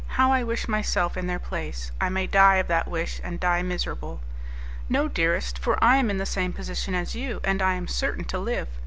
How I wish myself in their place: I may die of that wish, and die miserable." "No, dearest, for I am in the same position as you, and I am certain to live.